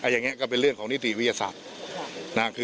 อย่างนี้ก็เป็นเรื่องของนิติวิทยาศาสตร์